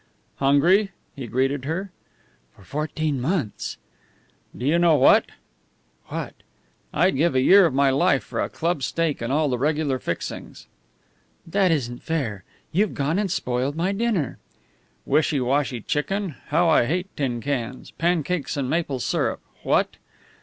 "Hungry?" he greeted her. "For fourteen months!" "Do you know what?" "What?" "I'd give a year of my life for a club steak and all the regular fixings." "That isn't fair! You've gone and spoiled my dinner." "Wishy washy chicken! How I hate tin cans! Pancakes and maple syrup! What?"